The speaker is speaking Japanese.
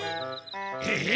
えっ？